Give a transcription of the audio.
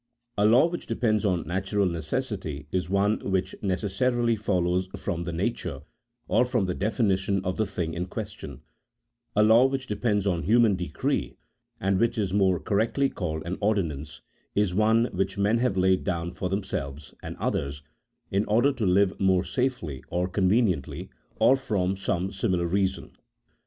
A law which depends on natural necessity is one which necessarily follows from the nature, or from the definition of the thing in question; a law which depends on human decree, and which is more correctly called an ordinance, is one which men have laid down for themselves and others in order to live more safely or conveniently, or from some similar reason.